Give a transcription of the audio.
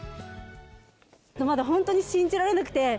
まだ本当に信じられなくて。